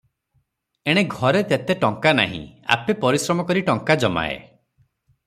ଏଣେ ଘରେ ତେତେ ଟଙ୍କା ନାହିଁ, ଆପେ ପରିଶ୍ରମ କରି ଟଙ୍କା ଜମାଏ ।